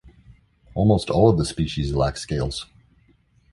Almost all of the species lack scales.